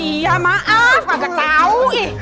iya maaf kagak tau